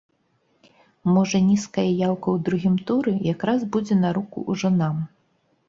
Можа, нізкая яўка ў другім туры якраз будзе на руку ўжо нам.